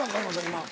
今。